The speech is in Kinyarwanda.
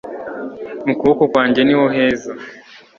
Mu kuboko kwanjye niho heza